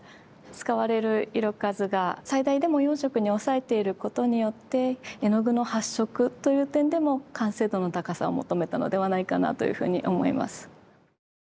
使われる色数が最大でも４色に抑えていることによって絵の具の発色という点でも完成度の高さを求めたのではないかなというふうに思います。